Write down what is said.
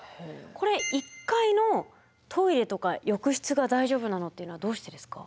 これ１階のトイレとか浴室が大丈夫なのっていうのはどうしてですか？